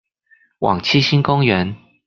往七星公園